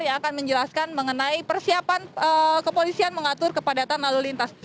yang akan menjelaskan mengenai persiapan kepolisian mengatur kepadatan lalu lintas